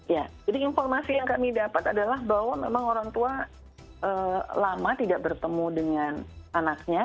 jadi informasi yang kami dapat adalah bahwa memang orang tua lama tidak bertemu dengan anaknya